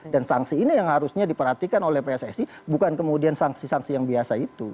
dan sangsi ini yang harusnya diperhatikan oleh pssi bukan kemudian sangsi sangsi yang biasa itu